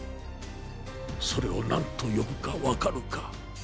それを何と呼ぶかわかるか？